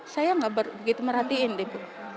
saya nggak begitu merhatiin ibu